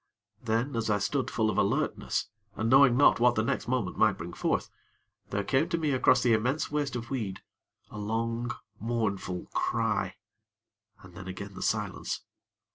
Then, as I stood full of alertness, and knowing not what the next moment might bring forth, there came to me across the immense waste of weed, a long, mournful cry, and then again the silence.